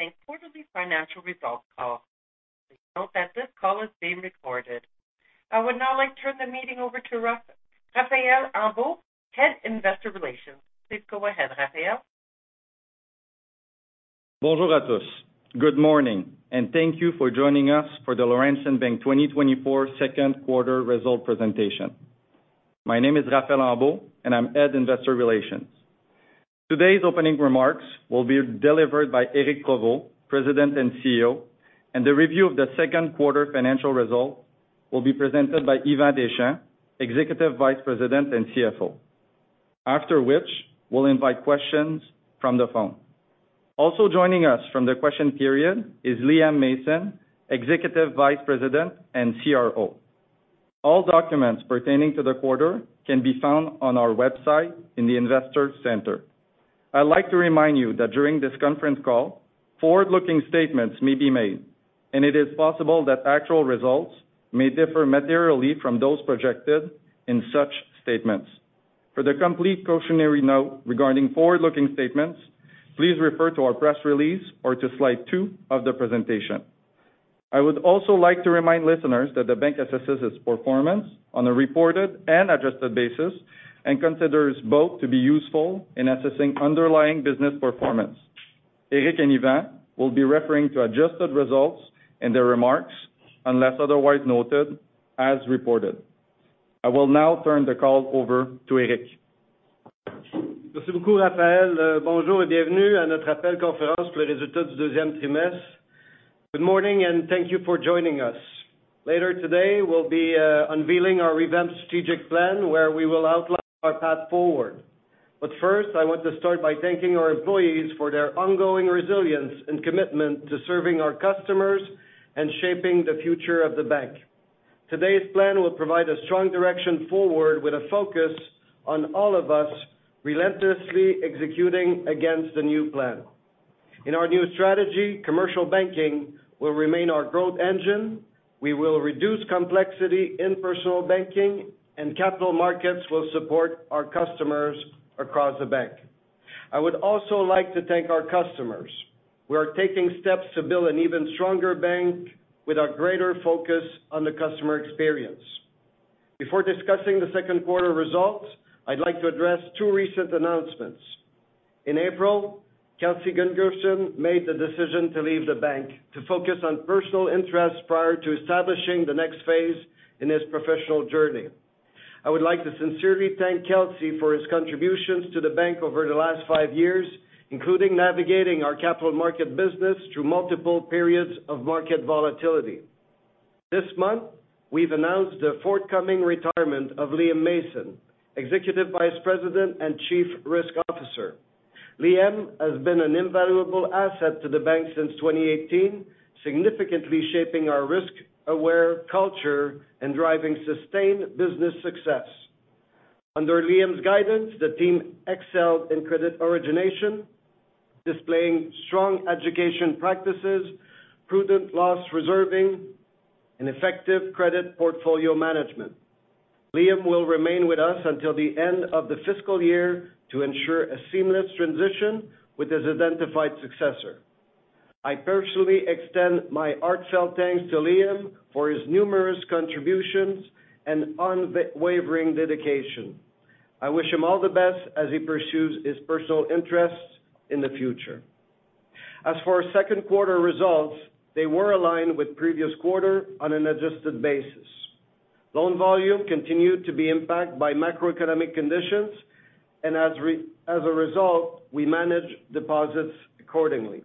Bank quarterly financial results call. Please note that this call is being recorded. I would now like to turn the meeting over to Raphaël Ambeault, Head Investor Relations. Please go ahead, Raphaël. Bonjour à tous. Good morning, and thank you for joining us for the Laurentian Bank 2024 second quarter result presentation. My name is Raphaël Ambeault, and I'm Head Investor Relations. Today's opening remarks will be delivered by Éric Provost, President and CEO, and the review of the second quarter financial result will be presented by Yvan Deschamps, Executive Vice President and CFO, after which we'll invite questions from the phone. Also joining us from the question period is Liam Mason, Executive Vice President and CRO. All documents pertaining to the quarter can be found on our website in the Investor Center. I'd like to remind you that during this conference call, forward-looking statements may be made, and it is possible that actual results may differ materially from those projected in such statements. For the complete cautionary note regarding forward-looking statements, please refer to our press release or to slide 2 of the presentation. I would also like to remind listeners that the bank assesses its performance on a reported and adjusted basis and considers both to be useful in assessing underlying business performance. Éric and Yvan will be referring to adjusted results in their remarks, unless otherwise noted, as reported. I will now turn the call over to Éric. Merci beaucoup, Raphaël. Bonjour et bienvenue à notre appel conférence pour les résultats du deuxième trimestre. Good morning, and thank you for joining us. Later today, we'll be unveiling our revamped strategic plan, where we will outline our path forward. But first, I want to start by thanking our employees for their ongoing resilience and commitment to serving our customers and shaping the future of the bank. Today's plan will provide a strong direction forward, with a focus on all of us relentlessly executing against the new plan. In our new strategy, commercial banking will remain our growth engine, we will reduce complexity in personal banking, and capital markets will support our customers across the bank. I would also like to thank our customers. We are taking steps to build an even stronger bank with a greater focus on the customer experience. Before discussing the second quarter results, I'd like to address two recent announcements. In April, Kelsey Gunderson made the decision to leave the bank to focus on personal interests prior to establishing the next phase in his professional journey. I would like to sincerely thank Kelsey for his contributions to the bank over the last five years, including navigating our capital market business through multiple periods of market volatility. This month, we've announced the forthcoming retirement of Liam Mason, Executive Vice President and Chief Risk Officer. Liam has been an invaluable asset to the bank since 2018, significantly shaping our risk-aware culture and driving sustained business success. Under Liam's guidance, the team excelled in credit origination, displaying strong education practices, prudent loss reserving, and effective credit portfolio management. Liam will remain with us until the end of the fiscal year to ensure a seamless transition with his identified successor. I personally extend my heartfelt thanks to Liam for his numerous contributions and unwavering dedication. I wish him all the best as he pursues his personal interests in the future. As for our second quarter results, they were aligned with previous quarter on an adjusted basis. Loan volume continued to be impacted by macroeconomic conditions, and as a result, we managed deposits accordingly.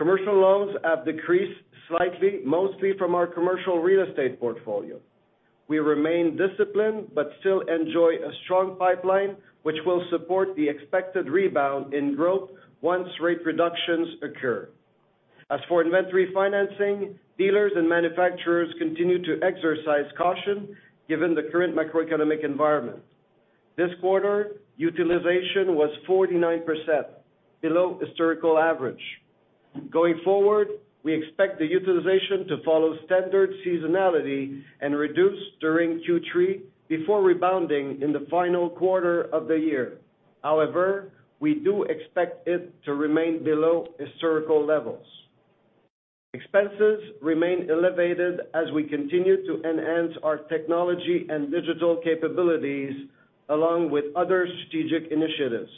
Commercial loans have decreased slightly, mostly from our commercial real estate portfolio. We remain disciplined, but still enjoy a strong pipeline, which will support the expected rebound in growth once rate reductions occur. As for inventory financing, dealers and manufacturers continue to exercise caution, given the current macroeconomic environment. This quarter, utilization was 49%, below historical average. Going forward, we expect the utilization to follow standard seasonality and reduce during Q3 before rebounding in the final quarter of the year. However, we do expect it to remain below historical levels. Expenses remain elevated as we continue to enhance our technology and digital capabilities, along with other strategic initiatives.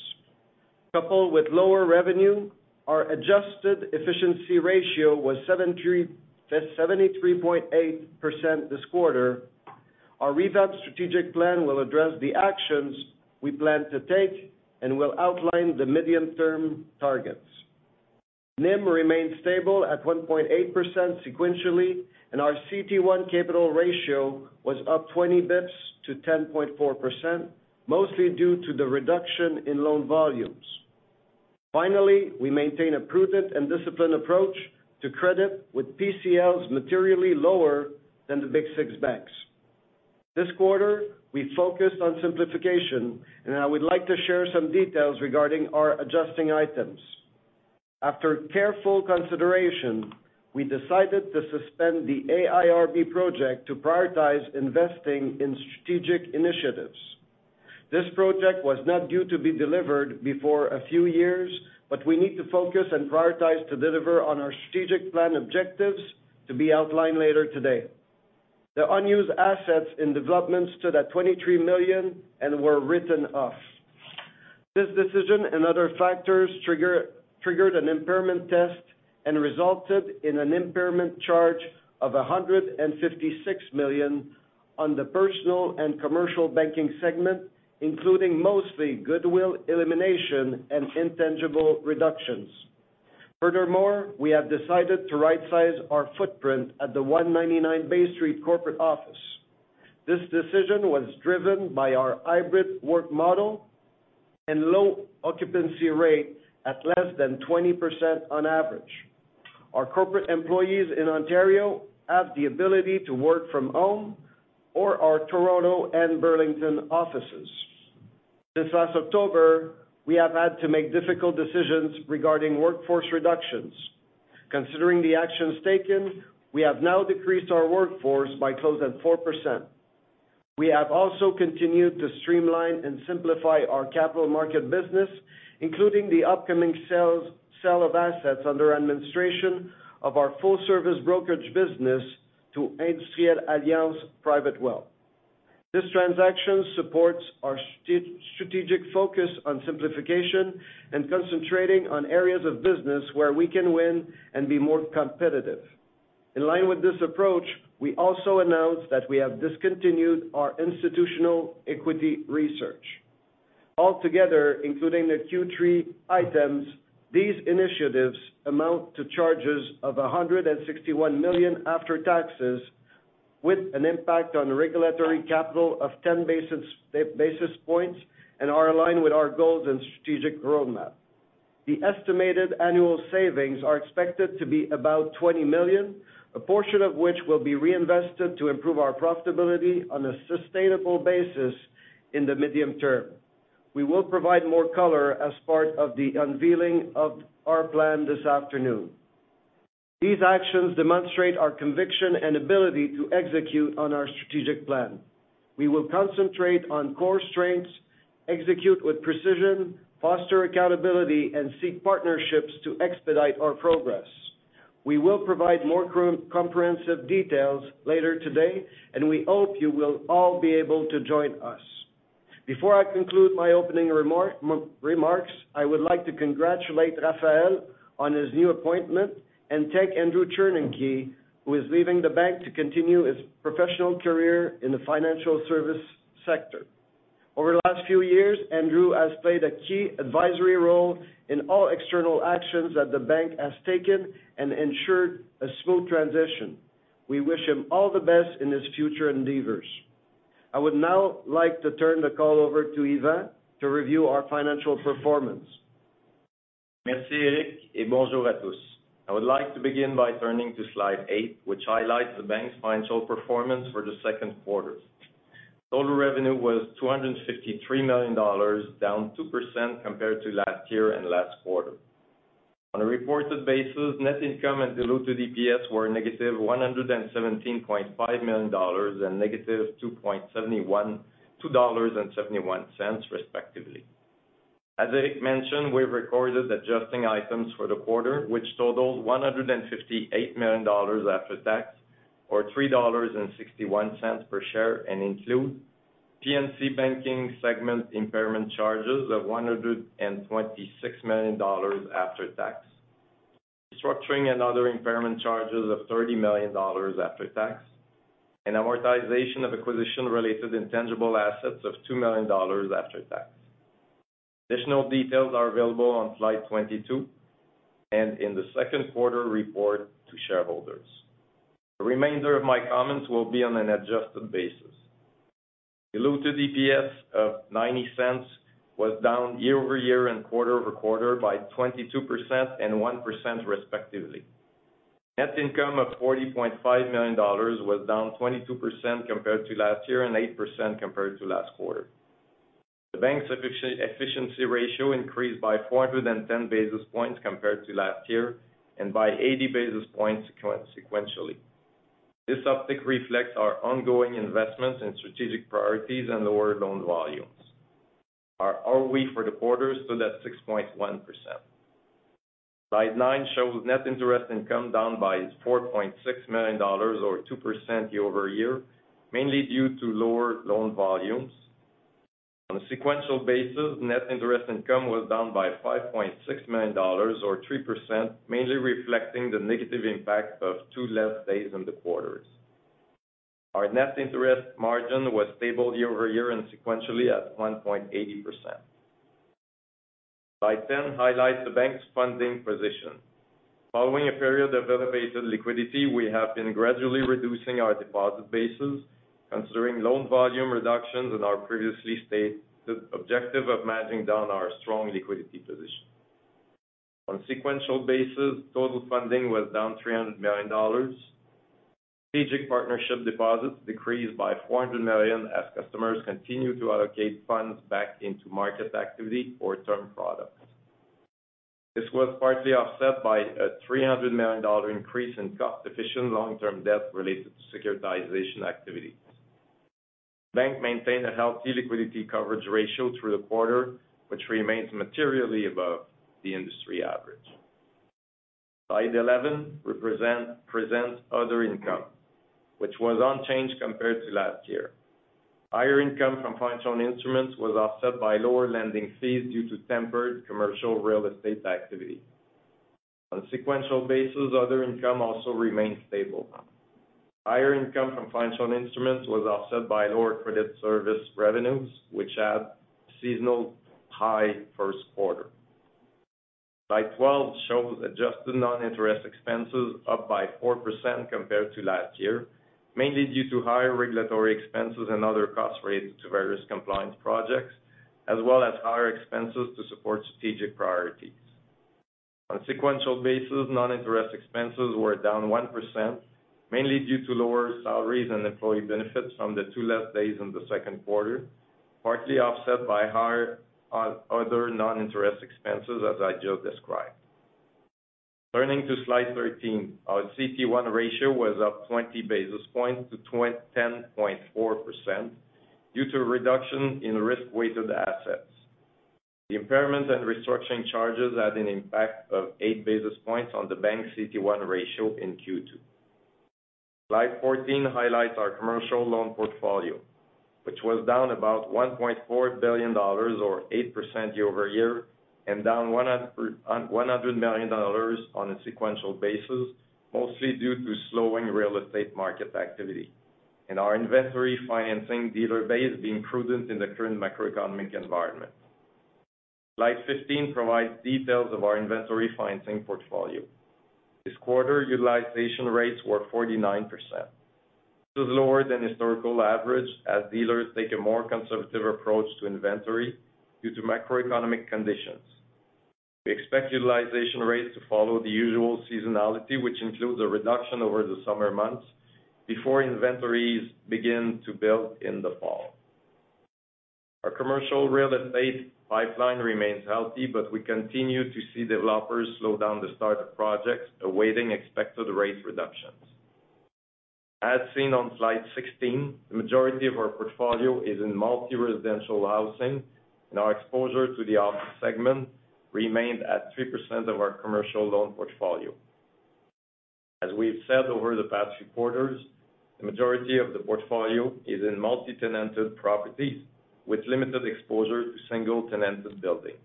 Coupled with lower revenue, our adjusted efficiency ratio was 73, 73.8% this quarter. Our revamped strategic plan will address the actions we plan to take and will outline the medium-term targets. NIM remained stable at 1.8% sequentially, and our CT1 capital ratio was up twenty basis points to 10.4%, mostly due to the reduction in loan volumes. Finally, we maintain a prudent and disciplined approach to credit, with PCLs materially lower than the big six banks. This quarter, we focused on simplification, and I would like to share some details regarding our adjusting items. After careful consideration, we decided to suspend the AIRB project to prioritize investing in strategic initiatives. This project was not due to be delivered before a few years, but we need to focus and prioritize to deliver on our strategic plan objectives to be outlined later today. The unused assets in development stood at 23 million and were written off. This decision and other factors triggered an impairment test and resulted in an impairment charge of 156 million on the personal and commercial banking segment, including mostly goodwill elimination and intangible reductions. Furthermore, we have decided to rightsize our footprint at the 199 Bay Street corporate office. This decision was driven by our hybrid work model and low occupancy rate at less than 20% on average. Our corporate employees in Ontario have the ability to work from home or our Toronto and Burlington offices. This last October, we have had to make difficult decisions regarding workforce reductions. Considering the actions taken, we have now decreased our workforce by close to 4%. We have also continued to streamline and simplify our capital market business, including the upcoming sale of assets under administration of our full-service brokerage business to Industrielle Alliance Private Wealth. This transaction supports our strategic focus on simplification and concentrating on areas of business where we can win and be more competitive. In line with this approach, we also announced that we have discontinued our institutional equity research. Altogether, including the Q3 items, these initiatives amount to charges of 161 million after taxes, with an impact on regulatory capital of 10 basis points, and are aligned with our goals and strategic roadmap. The estimated annual savings are expected to be about 20 million, a portion of which will be reinvested to improve our profitability on a sustainable basis in the medium term. We will provide more color as part of the unveiling of our plan this afternoon. These actions demonstrate our conviction and ability to execute on our strategic plan. We will concentrate on core strengths, execute with precision, foster accountability, and seek partnerships to expedite our progress. We will provide more comprehensive details later today, and we hope you will all be able to join us. Before I conclude my opening remarks, I would like to congratulate Raphaël on his new appointment and thank Andrew Chornenky, who is leaving the bank to continue his professional career in the financial service sector. Over the last few years, Andrew has played a key advisory role in all external actions that the bank has taken and ensured a smooth transition. We wish him all the best in his future endeavors. I would now like to turn the call over to Yvan to review our financial performance. Merci, Éric, et bonjour à tous. I would like to begin by turning to slide 8, which highlights the bank's financial performance for the second quarter. Total revenue was 253 million dollars, down 2% compared to last year and last quarter. On a reported basis, net income and diluted EPS were negative CAD 117.5 million and negative CAD 2.71, respectively. As Éric mentioned, we've recorded adjusting items for the quarter, which totaled 158 million dollars after tax, or 3.61 dollars per share, and include P&C Banking segment impairment charges of 126 million dollars after tax. Restructuring and other impairment charges of 30 million dollars after tax, and amortization of acquisition-related intangible assets of 2 million dollars after tax. Additional details are available on slide 22 and in the second quarter report to shareholders. The remainder of my comments will be on an adjusted basis. Diluted EPS of 0.90 was down year-over-year and quarter-over-quarter by 22% and 1%, respectively. Net income of 40.5 million dollars was down 22% compared to last year and 8% compared to last quarter. The bank's efficiency ratio increased by 410 basis points compared to last year and by 80 basis points sequentially. This uptick reflects our ongoing investments in strategic priorities and lower loan volumes. Our ROE for the quarter stood at 6.1%. Slide 9 shows net interest income down by 4.6 million dollars, or 2% year-over-year, mainly due to lower loan volumes. On a sequential basis, net interest income was down by 5.6 million dollars, or 3%, mainly reflecting the negative impact of two less days in the quarters. Our net interest margin was stable year-over-year and sequentially at 1.80%. Slide 10 highlights the bank's funding position. Following a period of elevated liquidity, we have been gradually reducing our deposit bases, considering loan volume reductions and our previously stated objective of managing down our strong liquidity position. On a sequential basis, total funding was down 300 million dollars. Strategic partnership deposits decreased by 400 million as customers continued to allocate funds back into market activity or term products... This was partly offset by a 300 million dollar increase in cost-efficient long-term debt related to securitization activities. Bank maintained a healthy liquidity coverage ratio through the quarter, which remains materially above the industry average. Slide 11 presents other income, which was unchanged compared to last year. Higher income from financial instruments was offset by lower lending fees due to tempered commercial real estate activity. On a sequential basis, other income also remained stable. Higher income from financial instruments was offset by lower credit service revenues, which had seasonal high first quarter. Slide 12 shows adjusted non-interest expenses up by 4% compared to last year, mainly due to higher regulatory expenses and other costs related to various compliance projects, as well as higher expenses to support strategic priorities. On a sequential basis, non-interest expenses were down 1%, mainly due to lower salaries and employee benefits from the 2 less days in the second quarter, partly offset by higher other non-interest expenses, as I just described. Turning to slide 13, our CT1 ratio was up 20 basis points to 10.4% due to a reduction in risk-weighted assets. The impairments and restructuring charges had an impact of 8 basis points on the bank's CT1 ratio in Q2. Slide 14 highlights our commercial loan portfolio, which was down about 1.4 billion dollars or 8% year-over-year, and down 100 million dollars on a sequential basis, mostly due to slowing real estate market activity and our inventory financing dealer base being prudent in the current macroeconomic environment. Slide 15 provides details of our inventory financing portfolio. This quarter, utilization rates were 49%. This is lower than historical average, as dealers take a more conservative approach to inventory due to macroeconomic conditions. We expect utilization rates to follow the usual seasonality, which includes a reduction over the summer months before inventories begin to build in the fall. Our commercial real estate pipeline remains healthy, but we continue to see developers slow down the start of projects, awaiting expected rate reductions. As seen on slide 16, the majority of our portfolio is in multi-residential housing, and our exposure to the office segment remained at 3% of our commercial loan portfolio. As we've said over the past few quarters, the majority of the portfolio is in multi-tenanted properties, with limited exposure to single-tenanted buildings.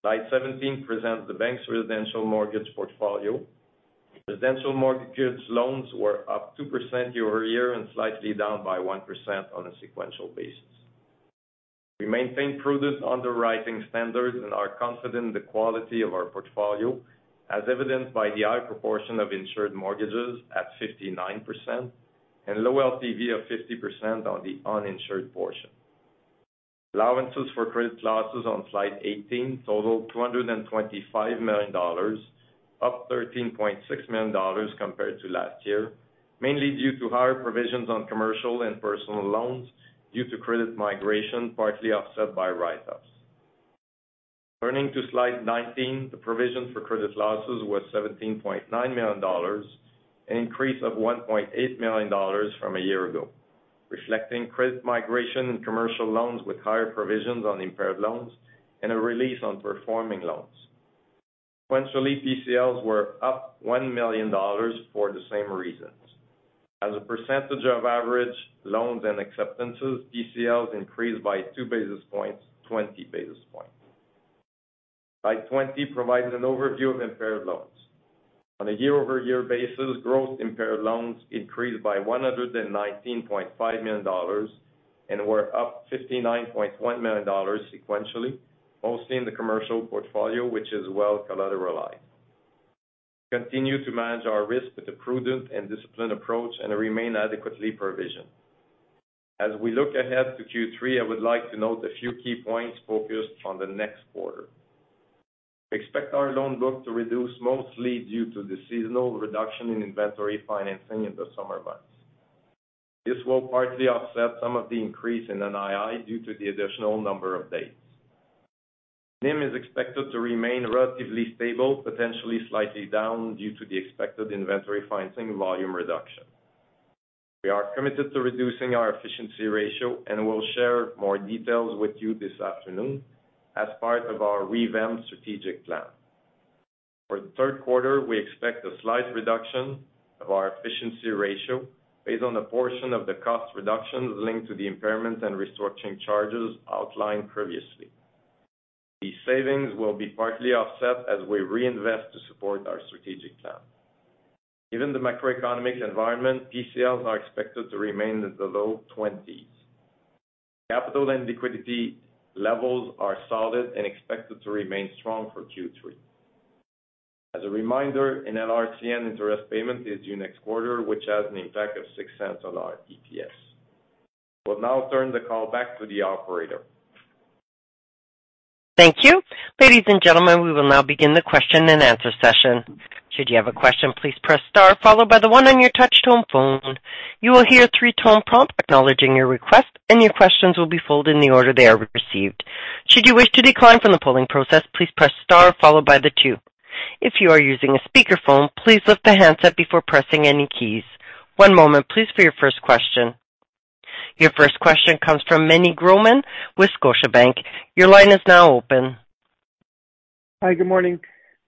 Slide 17 presents the bank's residential mortgage portfolio. Residential mortgage loans were up 2% year-over-year and slightly down by 1% on a sequential basis. We maintain prudent underwriting standards and are confident in the quality of our portfolio, as evidenced by the high proportion of insured mortgages at 59% and low LTV of 50% on the uninsured portion. Allowances for credit losses on slide 18 totaled 225 million dollars, up 13.6 million dollars compared to last year, mainly due to higher provisions on commercial and personal loans due to credit migration, partly offset by write-offs. Turning to slide 19, the provision for credit losses was 17.9 million dollars, an increase of 1.8 million dollars from a year ago, reflecting credit migration in commercial loans with higher provisions on impaired loans and a release on performing loans. Sequentially, PCLs were up 1 million dollars for the same reasons. As a percentage of average loans and acceptances, PCLs increased by 2 basis points, 20 basis points. Slide 20 provides an overview of impaired loans. On a year-over-year basis, gross impaired loans increased by 119.5 million dollars and were up 59.1 million dollars sequentially, mostly in the commercial portfolio, which is well collateralized. We continue to manage our risk with a prudent and disciplined approach and remain adequately provisioned. As we look ahead to Q3, I would like to note a few key points focused on the next quarter. We expect our loan book to reduce, mostly due to the seasonal reduction in inventory financing in the summer months. This will partly offset some of the increase in NII due to the additional number of days. NIM is expected to remain relatively stable, potentially slightly down, due to the expected inventory financing volume reduction. We are committed to reducing our efficiency ratio, and we'll share more details with you this afternoon as part of our revamped strategic plan. For the third quarter, we expect a slight reduction of our efficiency ratio based on a portion of the cost reductions linked to the impairment and restructuring charges outlined previously. These savings will be partly offset as we reinvest to support our strategic plan. Given the macroeconomic environment, PCLs are expected to remain in the low twenties. Capital and liquidity levels are solid and expected to remain strong for Q3. As a reminder, an LRCN interest payment is due next quarter, which has an impact of 0.06 on our EPS. We'll now turn the call back to the operator. Thank you. Ladies and gentlemen, we will now begin the question-and-answer session. Should you have a question, please press star followed by the one on your touch tone phone. You will hear 3-tone prompt acknowledging your request, and your questions will be queued in the order they are received. Should you wish to decline from the polling process, please press star followed by the two. If you are using a speakerphone, please lift the handset before pressing any keys. One moment, please, for your first question. Your first question comes from Meny Grauman with Scotiabank. Your line is now open. Hi, good morning.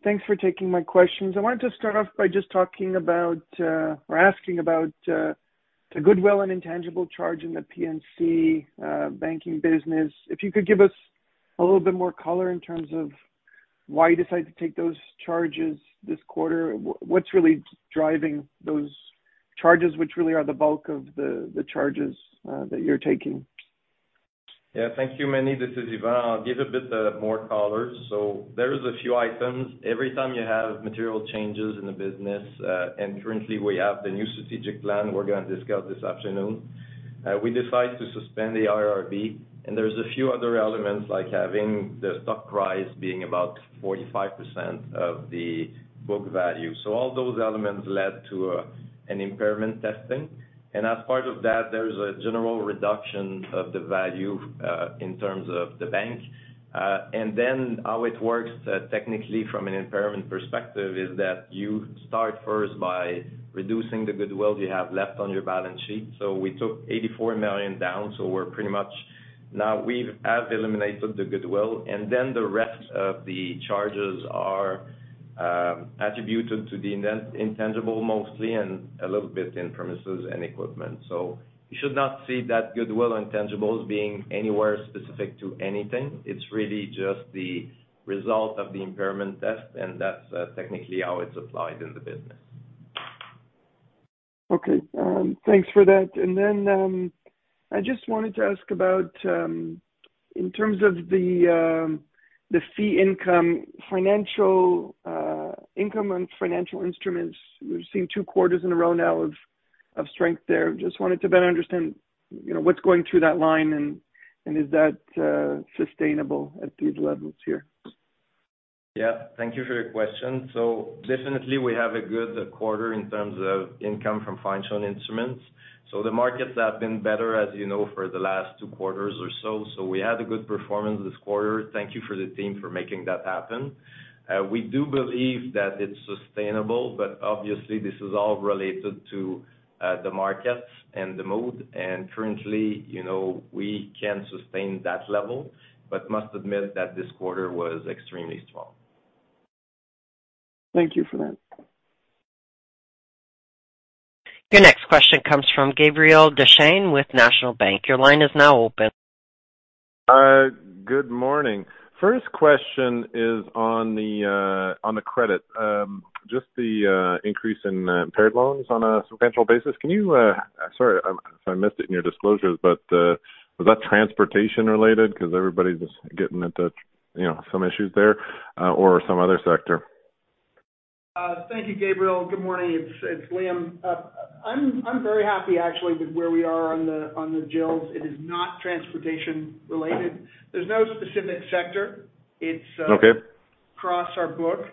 Thanks for taking my questions. I wanted to start off by just talking about, or asking about, the goodwill and intangible charge in the P&C banking business. If you could give us a little bit more color in terms of why you decided to take those charges this quarter. What's really driving those charges, which really are the bulk of the charges that you're taking? Yeah, thank you, Manny. This is Yvan. I'll give a bit more color. So there is a few items. Every time you have material changes in the business, and currently we have the new strategic plan we're going to discuss this afternoon. We decide to suspend the AIRB, and there's a few other elements, like having the stock price being about 45% of the book value. So all those elements led to an impairment testing, and as part of that, there is a general reduction of the value in terms of the bank. And then how it works technically from an impairment perspective is that you start first by reducing the goodwill you have left on your balance sheet. So we took 84 million down, so we're pretty much, now we have eliminated the goodwill, and then the rest of the charges are attributed to the intangible mostly, and a little bit in premises and equipment. You should not see that goodwill and intangibles being anywhere specific to anything. It's really just the result of the impairment test, and that's technically how it's applied in the business. Okay. Thanks for that. And then, I just wanted to ask about, in terms of the, the fee income, financial, income and financial instruments. We've seen two quarters in a row now of strength there. Just wanted to better understand, you know, what's going through that line and, and is that sustainable at these levels here? Yeah, thank you for your question. So definitely, we have a good quarter in terms of income from financial instruments. So the markets have been better, as you know, for the last two quarters or so. So we had a good performance this quarter. Thank you for the team for making that happen. We do believe that it's sustainable, but obviously this is all related to the markets and the mood. And currently, you know, we can sustain that level, but must admit that this quarter was extremely strong. Thank you for that. Your next question comes from Gabriel Dechaine with National Bank. Your line is now open. Good morning. First question is on the credit. Just the increase in impaired loans on a sequential basis. Can you, sorry if I missed it in your disclosures, but was that transportation related? Because everybody's getting into, you know, some issues there or some other sector. Thank you, Gabriel. Good morning. It's Liam. I'm very happy actually, with where we are on the GILs. It is not transportation related. There's no specific sector. It's Okay. - across our book.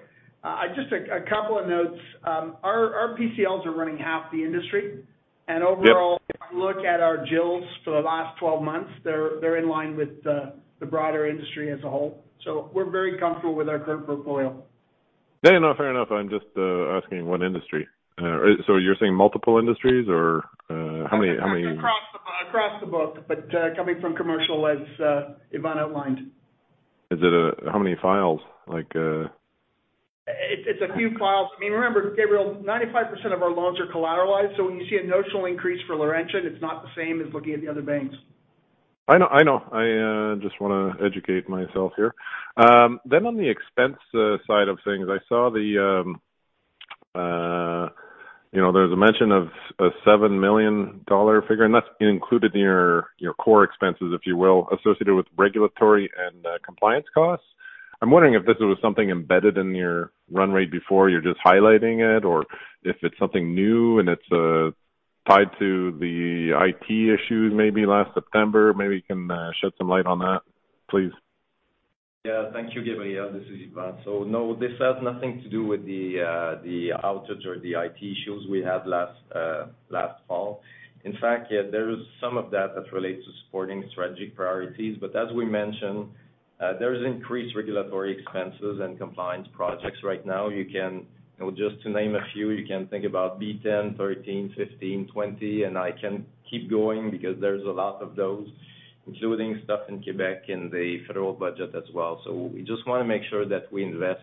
Just a couple of notes. Our PCLs are running half the industry. Yep. Overall, if you look at our GILs for the last 12 months, they're in line with the broader industry as a whole. So we're very comfortable with our current portfolio. Yeah, no, fair enough. I'm just asking what industry? So you're saying multiple industries or, how many, how many- Across the book, but coming from commercial, as Yvan outlined. How many files, like? It's a few files. I mean, remember, Gabriel, 95% of our loans are collateralized, so when you see a notional increase for Laurentian, it's not the same as looking at the other banks. I know, I know. I just wanna educate myself here. Then on the expense side of things, I saw the, you know, there's a mention of a 7 million dollar figure, and that's included in your, your core expenses, if you will, associated with regulatory and compliance costs. I'm wondering if this was something embedded in your run rate before, you're just highlighting it, or if it's something new and it's tied to the IT issues maybe last September. Maybe you can shed some light on that, please. Yeah, thank you, Gabriel. This is Yvan. So no, this has nothing to do with the outage or the IT issues we had last fall. In fact, yeah, there is some of that that relates to supporting strategic priorities. But as we mentioned, there is increased regulatory expenses and compliance projects right now. You can, you know, just to name a few, you can think about B-10, 13, 15, 20, and I can keep going because there's a lot of those, including stuff in Quebec in the federal budget as well. So we just want to make sure that we invest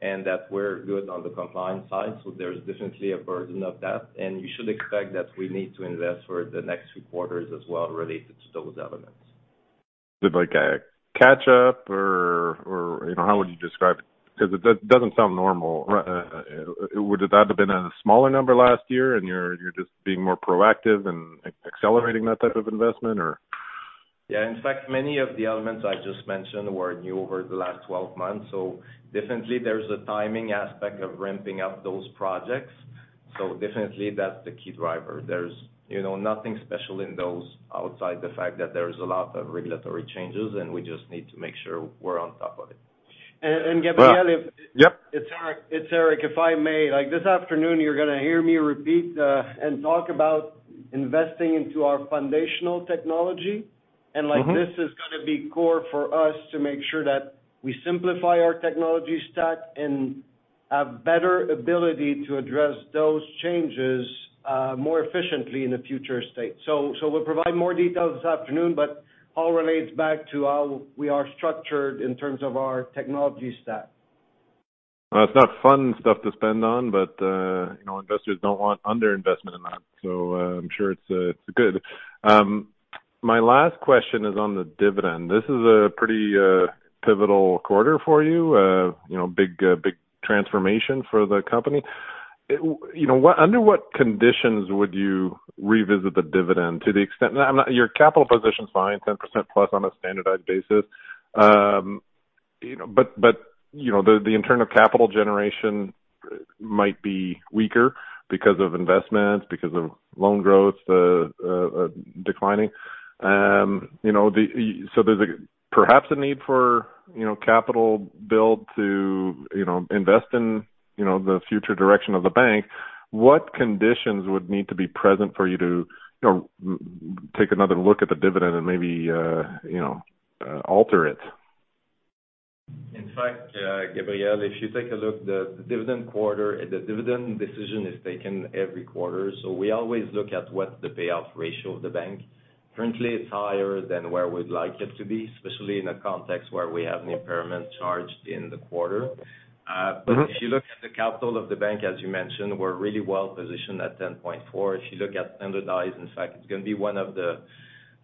and that we're good on the compliance side. So there's definitely a burden of that, and you should expect that we need to invest for the next few quarters as well, related to those elements. Is it like a catch up or, you know, how would you describe it? Because it doesn't sound normal. Would it have been a smaller number last year, and you're just being more proactive and accelerating that type of investment, or? Yeah, in fact, many of the elements I just mentioned were new over the last 12 months, so definitely there's a timing aspect of ramping up those projects. So definitely that's the key driver. There's, you know, nothing special in those outside the fact that there is a lot of regulatory changes, and we just need to make sure we're on top of it. Gabriel- Yep. It's Éric, it's Éric, if I may, like, this afternoon, you're gonna hear me repeat, and talk about investing into our foundational technology. Mm-hmm. Like, this is gonna be core for us to make sure that we simplify our technology stack and have better ability to address those changes, more efficiently in a future state. So, we'll provide more details this afternoon, but all relates back to how we are structured in terms of our technology stack. It's not fun stuff to spend on, but you know, investors don't want underinvestment in that, so I'm sure it's good. My last question is on the dividend. This is a pretty pivotal quarter for you. You know, big big transformation for the company. You know, under what conditions would you revisit the dividend. Your capital position's fine, 10% plus on a standardized basis. You know, but you know, the internal capital generation might be weaker because of investments, because of loan growth declining. You know, so there's a perhaps a need for you know, capital build to you know, invest in you know, the future direction of the bank. What conditions would need to be present for you to, you know, take another look at the dividend and maybe, you know, alter it? In fact, Gabriel, if you take a look, the dividend quarter, the dividend decision is taken every quarter, so we always look at what the payout ratio of the bank. Currently, it's higher than where we'd like it to be, especially in a context where we have an impairment charge in the quarter. Mm-hmm. But if you look at the capital of the bank, as you mentioned, we're really well positioned at 10.4. If you look at standardized, in fact, it's gonna be one of the,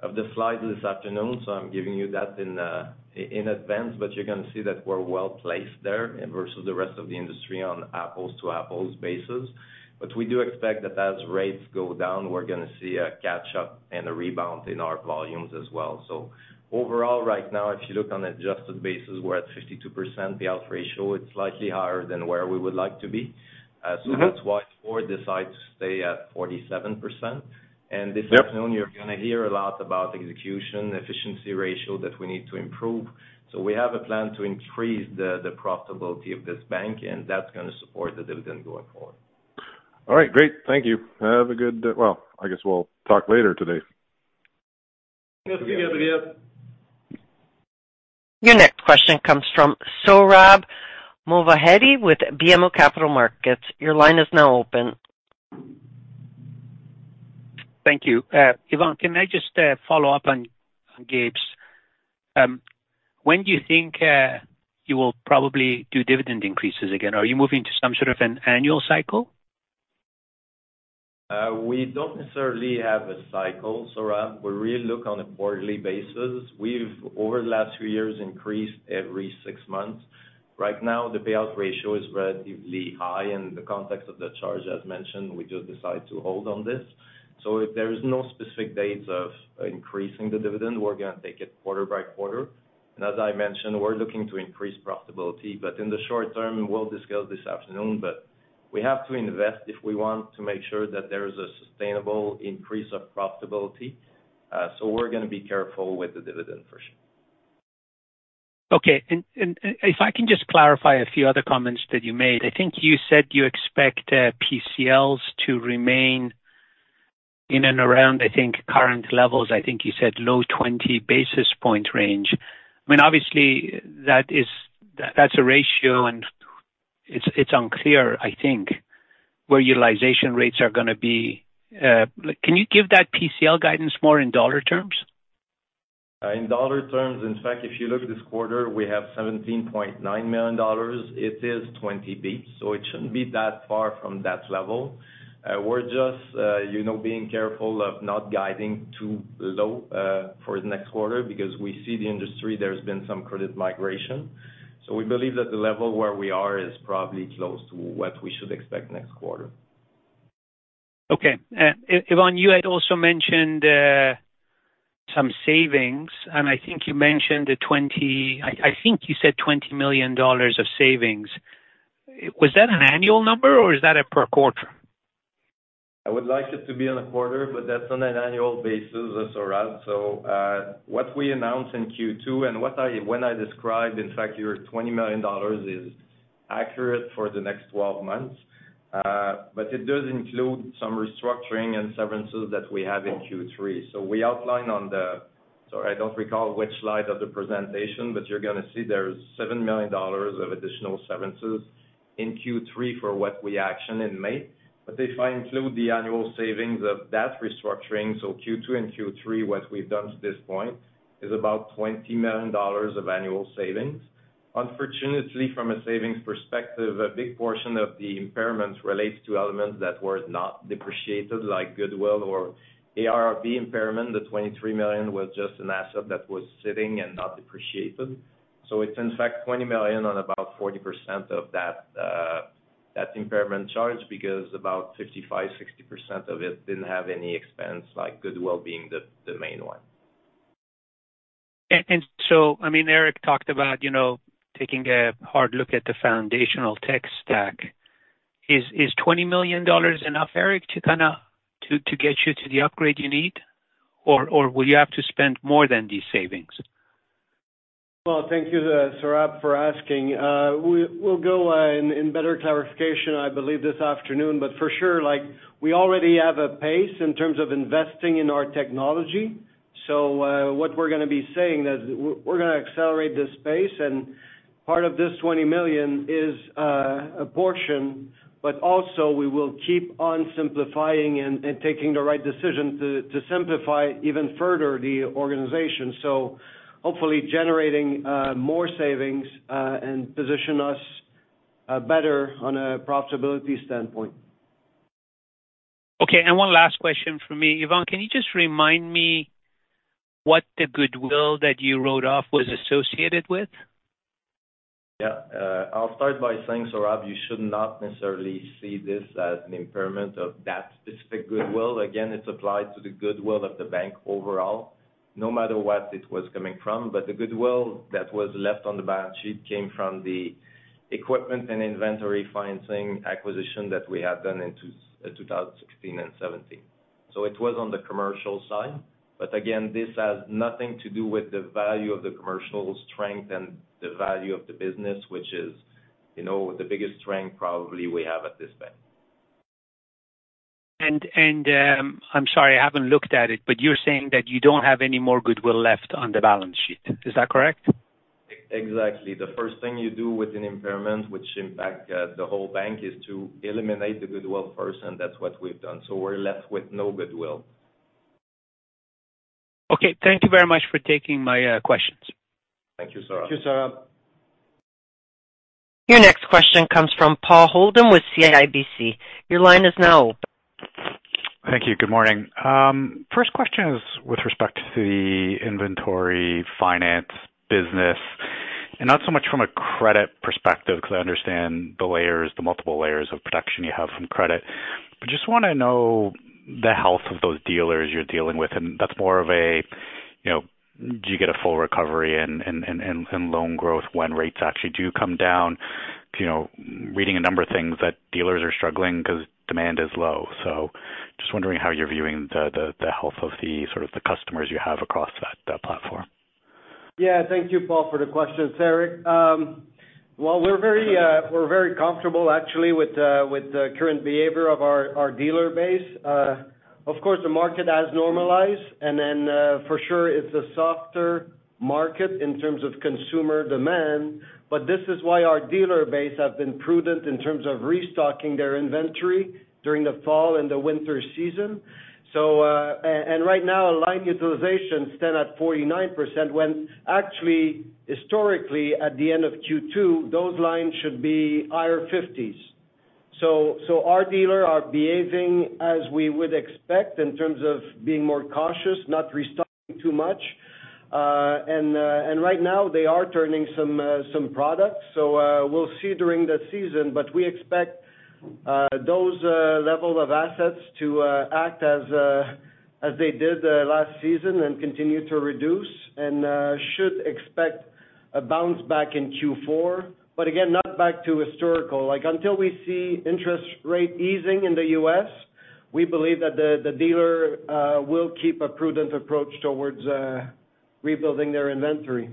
of the slides this afternoon, so I'm giving you that in advance, but you're gonna see that we're well-placed there versus the rest of the industry on apples-to-apples basis. But we do expect that as rates go down, we're gonna see a catch-up and a rebound in our volumes as well. So overall, right now, if you look on an adjusted basis, we're at 52% payout ratio. It's slightly higher than where we would like to be. Mm-hmm. That's why the board decided to stay at 47%. Yep. This afternoon, you're gonna hear a lot about execution, efficiency ratio that we need to improve. We have a plan to increase the profitability of this bank, and that's gonna support the dividend going forward. All right, great. Thank you. Have a good day... Well, I guess we'll talk later today. Thanks again, Gabriel. Your next question comes from Sohrab Movahedi with BMO Capital Markets. Your line is now open. Thank you. Yvan, can I just follow up on Gabe's? When do you think you will probably do dividend increases again? Are you moving to some sort of an annual cycle? We don't necessarily have a cycle, Sohrab. We really look on a quarterly basis. We've, over the last few years, increased every six months. Right now, the payout ratio is relatively high in the context of the charge. As mentioned, we just decided to hold on this. So if there is no specific dates of increasing the dividend, we're gonna take it quarter by quarter. And as I mentioned, we're looking to increase profitability, but in the short term, we'll discuss this afternoon, but we have to invest if we want to make sure that there is a sustainable increase of profitability. So we're gonna be careful with the dividend for sure. Okay. If I can just clarify a few other comments that you made. I think you said you expect PCLs to remain in and around, I think, current levels. I think you said low 20 basis point range. I mean, obviously that is, that's a ratio, and it's unclear, I think, where utilization rates are gonna be. Can you give that PCL guidance more in dollar terms? In dollar terms, in fact, if you look at this quarter, we have 17.9 million dollars. It is 20 bps, so it shouldn't be that far from that level. We're just, you know, being careful of not guiding too low for the next quarter because we see the industry, there's been some credit migration. So we believe that the level where we are is probably close to what we should expect next quarter. Okay. Yvan, you had also mentioned some savings, and I think you mentioned the twenty—I think you said 20 million dollars of savings. Was that an annual number or is that a per quarter? I would like it to be on a quarter, but that's on an annual basis, Sohrab. So, what we announced in Q2 and what I, when I described, in fact, your 20 million dollars is accurate for the next 12 months. But it does include some restructuring and severances that we have in Q3. So we outlined, I don't recall which slide of the presentation, but you're gonna see there's 7 million dollars of additional severances in Q3 for what we actioned in May. But if I include the annual savings of that restructuring, so Q2 and Q3, what we've done to this point is about 20 million dollars of annual savings. Unfortunately, from a savings perspective, a big portion of the impairment relates to elements that were not depreciated, like goodwill or ARRV impairment. The 23 million was just an asset that was sitting and not depreciated. So it's in fact 20 million on about 40% of that impairment charge, because about 55%-60% of it didn't have any expense, like goodwill being the main one.... So, I mean, Éric talked about, you know, taking a hard look at the foundational tech stack. Is 20 million dollars enough, Éric, to kind of get you to the upgrade you need, or will you have to spend more than these savings? Well, thank you, Sohrab, for asking. We'll go in better clarification, I believe, this afternoon. But for sure, like, we already have a pace in terms of investing in our technology. So, what we're gonna be saying is we're gonna accelerate this pace, and part of this 20 million is a portion, but also we will keep on simplifying and taking the right decision to simplify even further the organization. So hopefully generating more savings and position us better on a profitability standpoint. Okay, one last question from me. Yvan, can you just remind me what the goodwill that you wrote off was associated with? Yeah. I'll start by saying, Sohrab, you should not necessarily see this as an impairment of that specific goodwill. Again, it's applied to the goodwill of the bank overall, no matter what it was coming from. But the goodwill that was left on the balance sheet came from the equipment and inventory financing acquisition that we had done in 2016 and 2017. So it was on the commercial side. But again, this has nothing to do with the value of the commercial strength and the value of the business, which is, you know, the biggest strength probably we have at this bank. I'm sorry, I haven't looked at it, but you're saying that you don't have any more goodwill left on the balance sheet. Is that correct? Exactly. The first thing you do with an impairment, which impact, the whole bank, is to eliminate the goodwill first, and that's what we've done. So we're left with no goodwill. Okay, thank you very much for taking my questions. Thank you, Saurabh. Thank you, Saurabh. Your next question comes from Paul Holden with CIBC. Your line is now open. Thank you. Good morning. First question is with respect to the inventory finance business, and not so much from a credit perspective, because I understand the layers, the multiple layers of protection you have from credit. But just want to know the health of those dealers you're dealing with, and that's more of a, you know, do you get a full recovery and loan growth when rates actually do come down? You know, reading a number of things that dealers are struggling because demand is low. So just wondering how you're viewing the health of the sort of the customers you have across that platform. Yeah. Thank you, Paul, for the question. It's Éric. Well, we're very comfortable actually with the current behavior of our dealer base. Of course, the market has normalized, and then, for sure, it's a softer market in terms of consumer demand, but this is why our dealer base have been prudent in terms of restocking their inventory during the fall and the winter season. So, right now, line utilization stand at 49%, when actually, historically, at the end of Q2, those lines should be higher 50s. So, our dealer are behaving as we would expect in terms of being more cautious, not restocking too much. And right now they are turning some products, so we'll see during the season. But we expect those level of assets to act as they did last season and continue to reduce, and should expect a bounce back in Q4. But again, not back to historical. Like, until we see interest rate easing in the U.S., we believe that the dealer will keep a prudent approach towards rebuilding their inventory.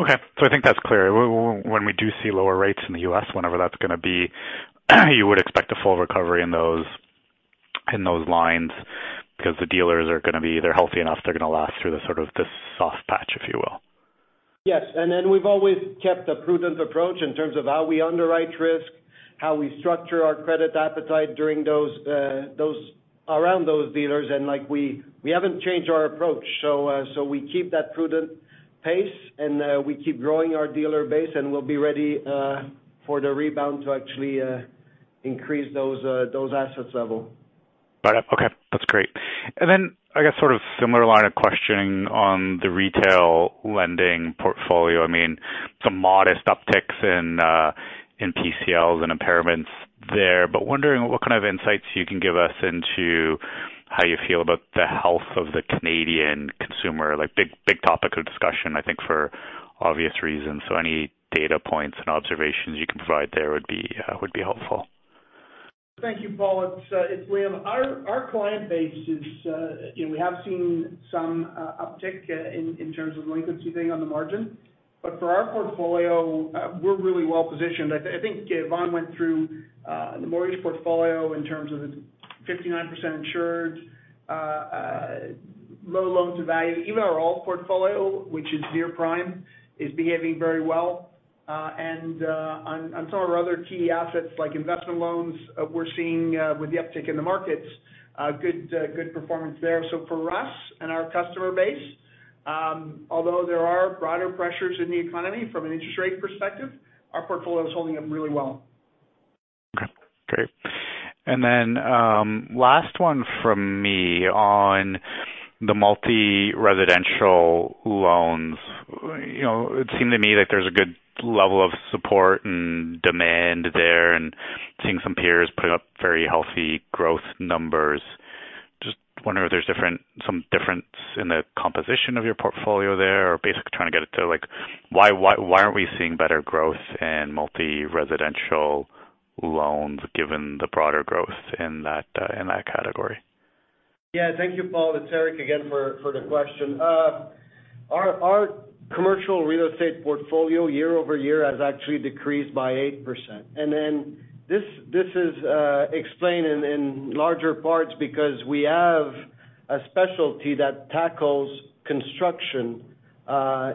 Okay, so I think that's clear. When we do see lower rates in the US, whenever that's gonna be, you would expect a full recovery in those, in those lines, because the dealers are gonna be, they're healthy enough, they're gonna last through the sort of this soft patch, if you will. Yes, and then we've always kept a prudent approach in terms of how we underwrite risk, how we structure our credit appetite during those, those, around those dealers, and like, we, we haven't changed our approach. So, so we keep that prudent pace, and, we keep growing our dealer base, and we'll be ready, for the rebound to actually, increase those, those assets level. Got it. Okay, that's great. And then, I guess sort of similar line of questioning on the retail lending portfolio. I mean, some modest upticks in PCLs and impairments there, but wondering what kind of insights you can give us into how you feel about the health of the Canadian consumer. Like, big, big topic of discussion, I think for obvious reasons. So any data points and observations you can provide there would be helpful. Thank you, Paul. It's William. Our client base is, you know, we have seen some uptick in terms of delinquency being on the margin. But for our portfolio, we're really well positioned. I think Yvan went through the mortgage portfolio in terms of the 59% insured, low loans to value. Even our old portfolio, which is near prime, is behaving very well. And on some of our other key assets, like investment loans, we're seeing with the uptick in the markets, good performance there. So for us and our customer base, although there are broader pressures in the economy from an interest rate perspective, our portfolio is holding up really well. Okay, great. And then, last one from me on the multi-residential loans. You know, it seemed to me like there's a good level of support and demand there, and seeing some peers putting up very healthy growth numbers. Just wondering if there's different, some difference in the composition of your portfolio there, or basically trying to get it to, like, why, why, why aren't we seeing better growth in multi-residential loans, given the broader growth in that, in that category? Yeah, thank you, Paul. It's Éric again for the question. Our commercial real estate portfolio, year-over-year, has actually decreased by 8%. And then, this is explained in larger parts, because we have a specialty that tackles construction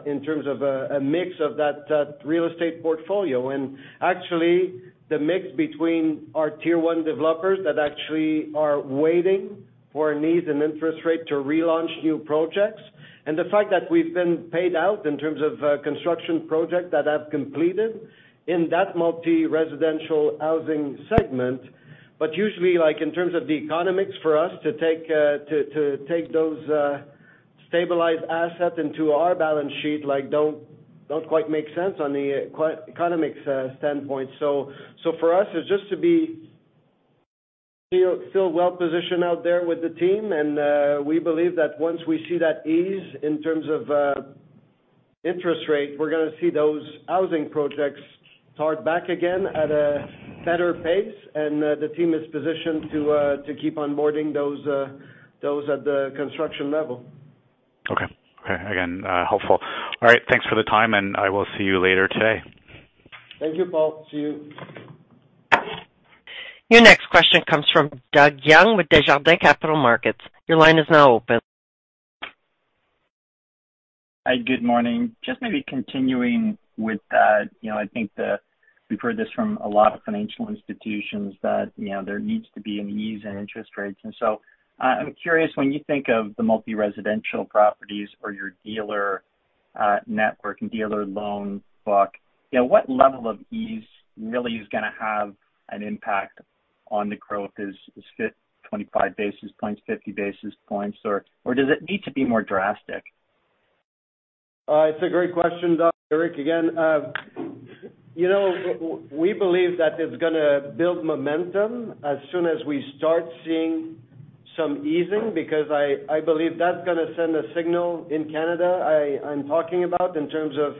in terms of a mix of that real estate portfolio. And actually, the mix between our tier one developers that actually are waiting for needs an interest rate to relaunch new projects, and the fact that we've been paid out in terms of construction projects that have completed in that multi-residential housing segment. But usually, like, in terms of the economics for us to take to take those stabilized assets into our balance sheet, like, don't quite make sense on the economic standpoint. For us, it's just to feel well positioned out there with the team. We believe that once we see that ease in terms of interest rate, we're gonna see those housing projects start back again at a better pace. The team is positioned to keep onboarding those at the construction level. Okay. Okay. Again, helpful. All right, thanks for the time, and I will see you later today. Thank you, Paul. See you. Your next question comes from Doug Young, with Desjardins Capital Markets. Your line is now open. Hi, good morning. Just maybe continuing with that, you know, I think we've heard this from a lot of financial institutions, that, you know, there needs to be an ease in interest rates. And so I, I'm curious, when you think of the multi-residential properties or your dealer network and dealer loan book, you know, what level of ease really is gonna have an impact on the growth? Is, is 25 basis points, 50 basis points, or, or does it need to be more drastic? It's a great question, Doug. Éric again. You know, we believe that it's gonna build momentum as soon as we start seeing some easing, because I believe that's gonna send a signal in Canada, I'm talking about, in terms of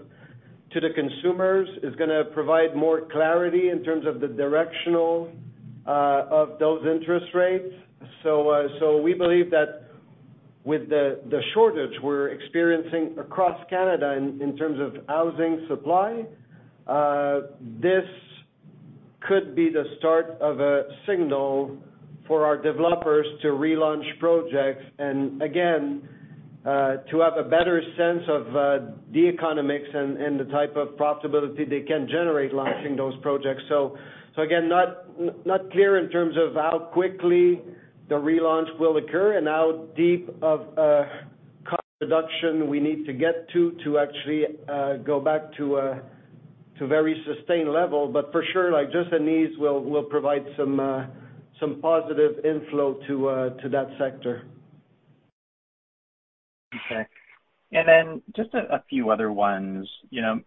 to the consumers. It's gonna provide more clarity in terms of the directional, of those interest rates. So, so we believe that with the shortage we're experiencing across Canada in terms of housing supply, this could be the start of a signal for our developers to relaunch projects, and again, to have a better sense of the economics and the type of profitability they can generate launching those projects. So again, not clear in terms of how quickly the relaunch will occur and how deep of a cost reduction we need to get to, to actually go back to a very sustained level. But for sure, like, just an ease will provide some positive inflow to that sector. Okay. And then just a few other ones. You know,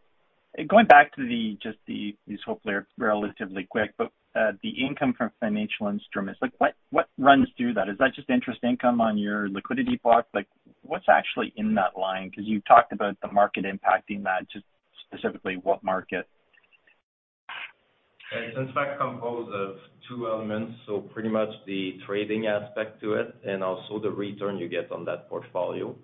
going back to just these, hopefully are relatively quick, but, the income from financial instruments, like, what, what runs through that? Is that just interest income on your liquidity block? Like, what's actually in that line? Because you talked about the market impacting that. Just specifically, what market? It's, in fact, composed of two elements, so pretty much the trading aspect to it, and also the return you get on that portfolio.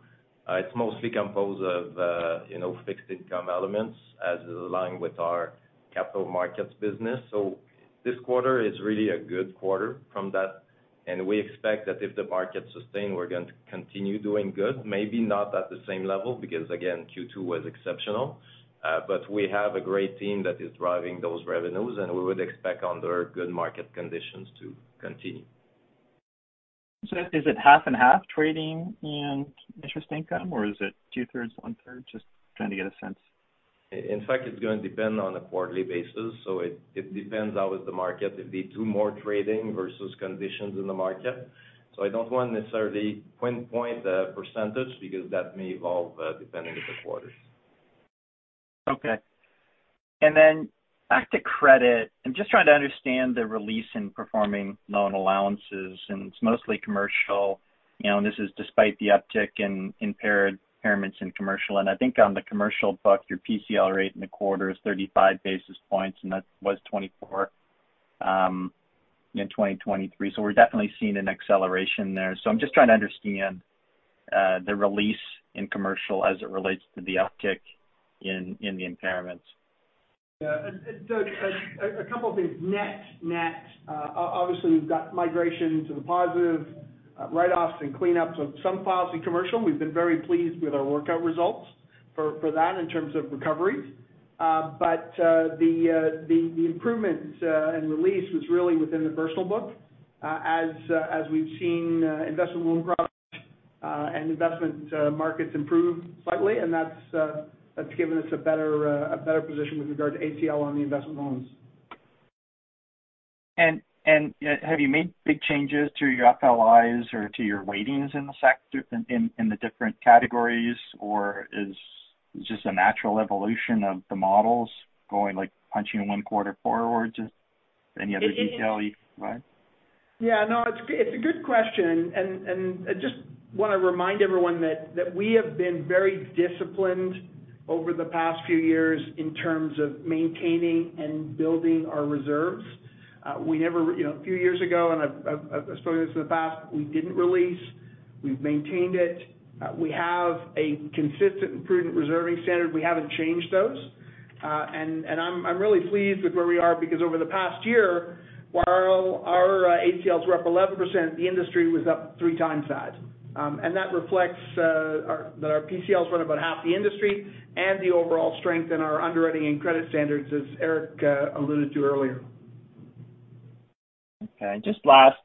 It's mostly composed of, you know, fixed income elements, as is aligned with our capital markets business. So this quarter is really a good quarter from that, and we expect that if the market sustain, we're going to continue doing good. Maybe not at the same level, because again, Q2 was exceptional. But we have a great team that is driving those revenues, and we would expect under good market conditions to continue. Is it half and half, trading and interest income, or is it two-thirds, one-third? Just trying to get a sense. In fact, it's gonna depend on a quarterly basis, so it depends how is the market, if we do more trading versus conditions in the market. So I don't want to necessarily pinpoint the percentage, because that may evolve, depending on the quarters. Okay. And then back to credit, I'm just trying to understand the release in performing loan allowances, and it's mostly commercial, you know, and this is despite the uptick in impairments in commercial. And I think on the commercial book, your PCL rate in the quarter is 35 basis points, and that was 24 in 2023. So we're definitely seeing an acceleration there. So I'm just trying to understand the release in commercial as it relates to the uptick in the impairments. Yeah. A couple of things. Net, net, obviously, we've got migration to the positive, write-offs and cleanups of some files in commercial. We've been very pleased with our workout results for that in terms of recoveries. But the improvements and release was really within the personal book, as we've seen investment loan products and investment markets improve slightly, and that's given us a better position with regard to ACL on the investment loans. Have you made big changes to your FLIs or to your weightings in the sector in the different categories, or is it just a natural evolution of the models going, like, punching one quarter forward? Just any other detail you can provide? Yeah, no, it's a good question, and I just wanna remind everyone that we have been very disciplined over the past few years in terms of maintaining and building our reserves. We never, you know, a few years ago, and I've spoken this in the past, we didn't release. We've maintained it. We have a consistent and prudent reserving standard. We haven't changed those. And I'm really pleased with where we are, because over the past year, while our ACLs were up 11%, the industry was up three times that. And that reflects that our PCLs run about half the industry and the overall strength in our underwriting and credit standards, as Éric alluded to earlier. Okay. Just last,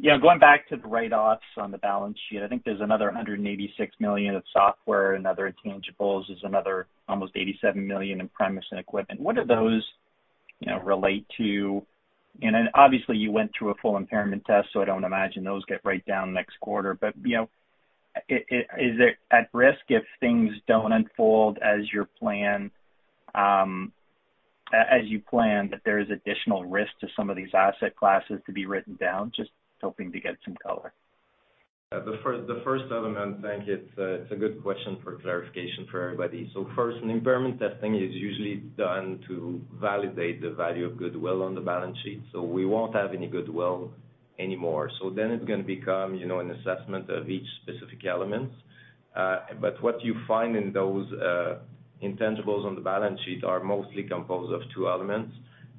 yeah, going back to the write-offs on the balance sheet. I think there's another 186 million of software and other intangibles. There's another almost 87 million in premises and equipment. What do those, you know, relate to? And then, obviously, you went through a full impairment test, so I don't imagine those get written down next quarter. But, you know, is it at risk if things don't unfold as your plan, as you planned, that there is additional risk to some of these asset classes to be written down? Just hoping to get some color. Yeah, the first, the first element, I think it's a, it's a good question for clarification for everybody. So first, an impairment testing is usually done to validate the value of goodwill on the balance sheet, so we won't have any goodwill anymore. So then it's gonna become, you know, an assessment of each specific elements. But what you find in those, intangibles on the balance sheet are mostly composed of two elements: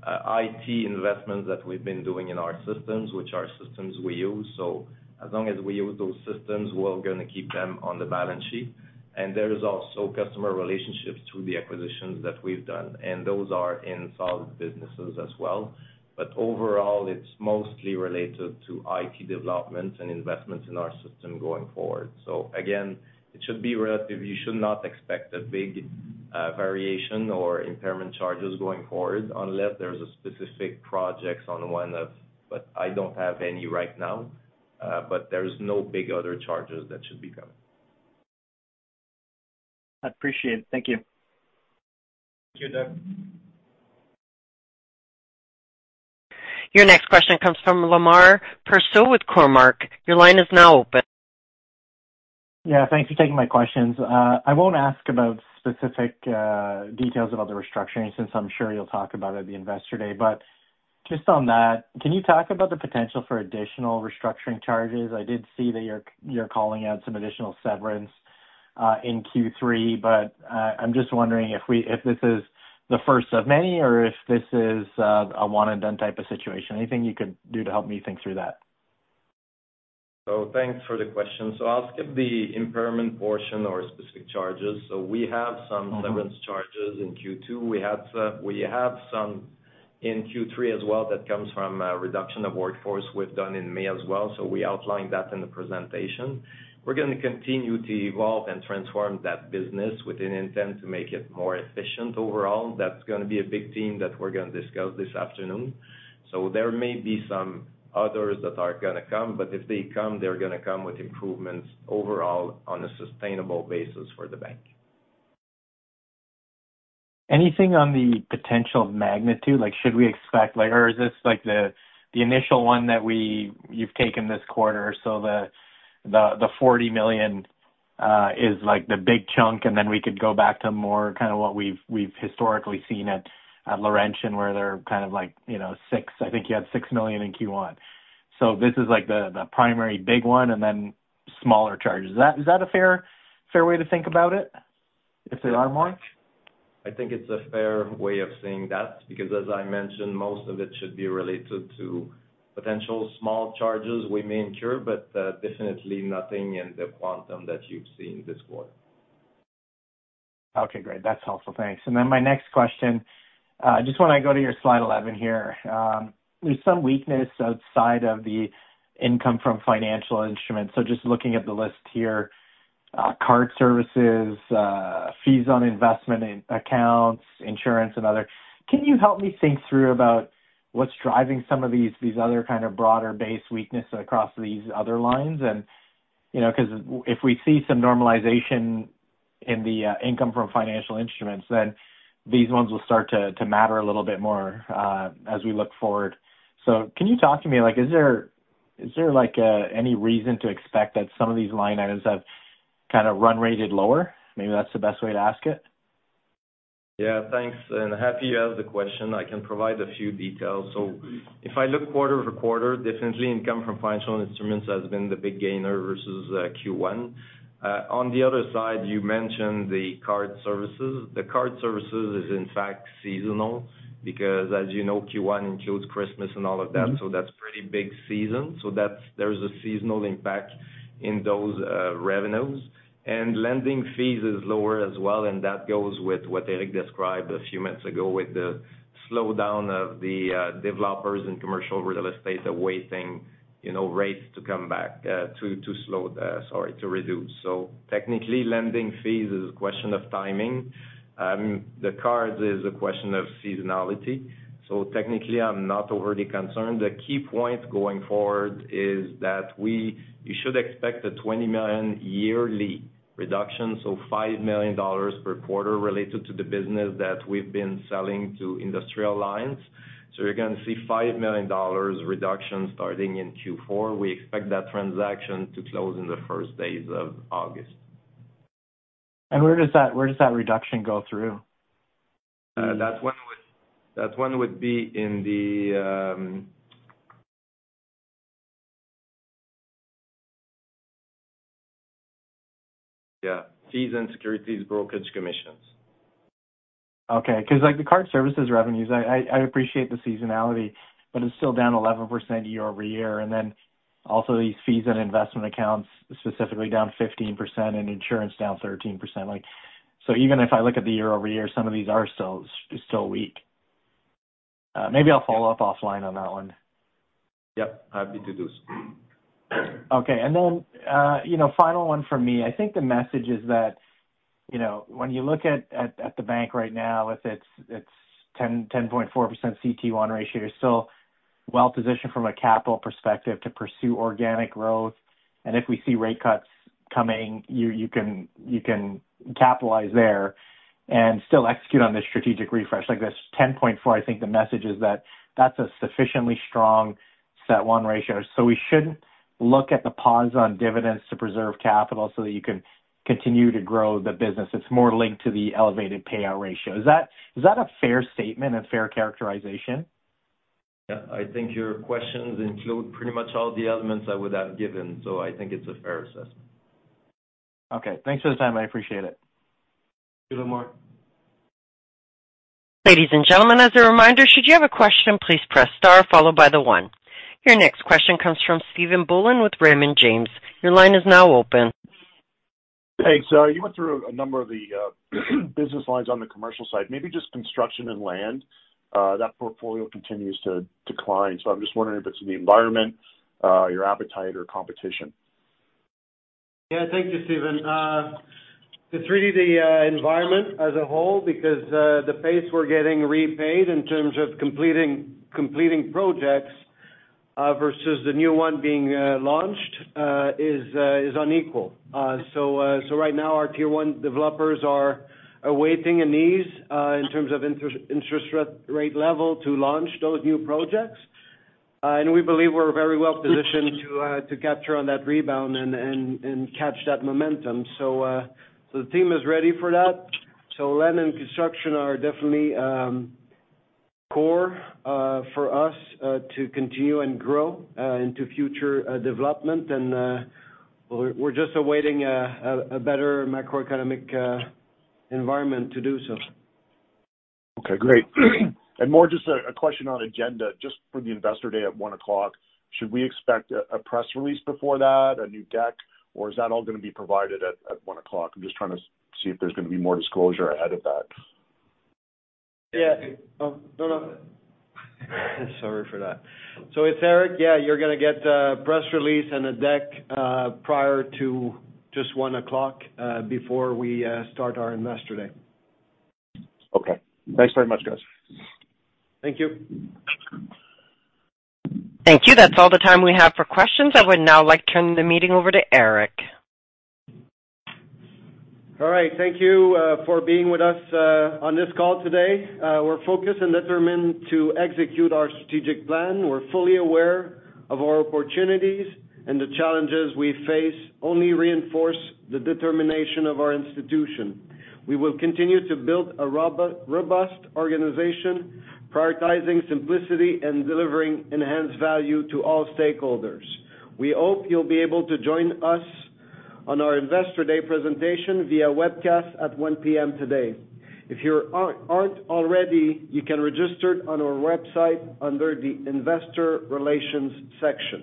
IT investments that we've been doing in our systems, which are systems we use, so as long as we use those systems, we're gonna keep them on the balance sheet. And there is also customer relationships through the acquisitions that we've done, and those are in solid businesses as well. But overall, it's mostly related to IT development and investments in our system going forward. So again, it should be relative. You should not expect a big variation or impairment charges going forward, unless there's specific projects on one of... But I don't have any right now, but there's no big other charges that should be coming. I appreciate it. Thank you. Thank you, Doug. Your next question comes from Lemar Persaud with Cormark. Your line is now open. Yeah, thank you for taking my questions. I won't ask about specific details about the restructuring, since I'm sure you'll talk about it at the Investor Day. But just on that, can you talk about the potential for additional restructuring charges? I did see that you're calling out some additional severance in Q3, but I'm just wondering if this is the first of many, or if this is a one and done type of situation. Anything you could do to help me think through that? Thanks for the question. I'll skip the impairment portion or specific charges. We have some- Mm-hmm... severance charges in Q2. We have some, we have some in Q3 as well that comes from reduction of workforce we've done in May as well, so we outlined that in the presentation. We're gonna continue to evolve and transform that business with an intent to make it more efficient overall. That's gonna be a big theme that we're gonna discuss this afternoon. So there may be some others that are gonna come, but if they come, they're gonna come with improvements overall on a sustainable basis for the bank. Anything on the potential magnitude? Like, should we expect, like -- or is this, like, the, the, the initial one that we-- you've taken this quarter, so the, the, the 40 million is, like, the big chunk, and then we could go back to more kind of what we've, we've historically seen at, at Laurentian, where they're kind of like, you know, six... I think you had 6 million in Q1. So this is, like, the, the primary big one and then smaller charges. Is that, is that a fair, fair way to think about it, if there are more? I think it's a fair way of saying that, because as I mentioned, most of it should be related to potential small charges we may incur, but, definitely nothing in the quantum that you've seen this quarter. Okay, great. That's helpful. Thanks. And then my next question, I just want to go to your slide 11 here. There's some weakness outside of the income from financial instruments. So just looking at the list here, card services, fees on investment in accounts, insurance and other. Can you help me think through about what's driving some of these, these other kind of broader base weakness across these other lines? And, you know, 'cause if we see some normalization in the, income from financial instruments, then these ones will start to matter a little bit more, as we look forward. So can you talk to me, like, is there, like, any reason to expect that some of these line items have kind of run rated lower? Maybe that's the best way to ask it. Yeah, thanks, and happy you asked the question. I can provide a few details. So if I look quarter-over-quarter, definitely income from financial instruments has been the big gainer versus Q1. On the other side, you mentioned the card services. The card services is, in fact, seasonal, because, as you know, Q1 includes Christmas and all of that- Mm-hmm... so that's pretty big season. So that's, there's a seasonal impact in those, revenues. And lending fees is lower as well, and that goes with what Éric described a few minutes ago, with the slowdown of the, developers in commercial real estate are waiting, you know, rates to come back, to, to slow down, sorry, to reduce. So technically, lending fees is a question of timing. The cards is a question of seasonality. So technically, I'm not already concerned. The key point going forward is that we-... you should expect a 20 million yearly reduction, so 5 million dollars per quarter related to the business that we've been selling to Industrial Alliance. So you're gonna see 5 million dollars reduction starting in Q4. We expect that transaction to close in the first days of August. And where does that reduction go through? That one would be in the fees and securities brokerage commissions. Okay, 'cause like the card services revenues, I appreciate the seasonality, but it's still down 11% year-over-year. Then also these fees and investment accounts, specifically down 15% and insurance down 13%. Like, so even if I look at the year-over-year, some of these are still weak. Maybe I'll follow up offline on that one. Yep, happy to do so. Okay. And then, you know, final one for me. I think the message is that, you know, when you look at the bank right now, if it's 10.4% CET1 ratio, you're still well positioned from a capital perspective to pursue organic growth. And if we see rate cuts coming, you can capitalize there and still execute on this strategic refresh. Like, this 10.4, I think the message is that that's a sufficiently strong CET1 ratio. So we shouldn't look at the pause on dividends to preserve capital so that you can continue to grow the business. It's more linked to the elevated payout ratio. Is that a fair statement and fair characterization? Yeah, I think your questions include pretty much all the elements I would have given, so I think it's a fair assessment. Okay, thanks for the time. I appreciate it. Thank you, Lemar. Ladies and gentlemen, as a reminder, should you have a question, please press star followed by the one. Your next question comes from Stephen Boland with Raymond James. Your line is now open. Thanks. So you went through a number of the business lines on the commercial side, maybe just construction and land. That portfolio continues to decline, so I'm just wondering if it's the environment, your appetite, or competition? Yeah, thank you, Stephen. It's really the environment as a whole, because the pace we're getting repaid in terms of completing projects versus the new one being launched is unequal. So right now, our tier one developers are awaiting an ease in terms of interest rate level to launch those new projects. And we believe we're very well positioned to capture on that rebound and catch that momentum. So the team is ready for that. So land and construction are definitely core for us to continue and grow into future development. And we're just awaiting a better macroeconomic environment to do so. Okay, great. More just a question on agenda, just for the Investor Day at 1:00 P.M. Should we expect a press release before that, a new deck, or is that all gonna be provided at 1:00 P.M.? I'm just trying to see if there's gonna be more disclosure ahead of that. Yeah. Oh, no, no. Sorry for that. So it's Éric. Yeah, you're gonna get a press release and a deck, prior to just 1:00, before we start our Investor Day. Okay. Thanks very much, guys. Thank you. Thank you. That's all the time we have for questions. I would now like to turn the meeting over to Eric. All right. Thank you for being with us on this call today. We're focused and determined to execute our strategic plan. We're fully aware of our opportunities, and the challenges we face only reinforce the determination of our institution. We will continue to build a robust organization, prioritizing simplicity and delivering enhanced value to all stakeholders. We hope you'll be able to join us on our Investor Day presentation via webcast at 1:00 P.M. today. If you aren't already, you can register on our website under the Investor Relations section.